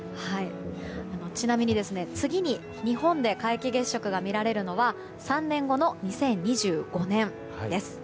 ちなみに、次に日本で皆既月食が見られるのは３年後の２０２５年です。